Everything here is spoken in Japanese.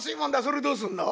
それどうすんの？」。